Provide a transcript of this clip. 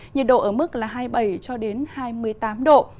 nhiệt độ ở mức hai mươi bảy hai mươi tám độ